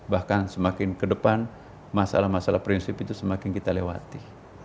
bahkan semakin ke depan masalah masalah prinsip itu semakin kita lewati